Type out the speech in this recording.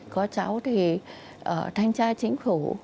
có cháu thì ở thanh tra chính phủ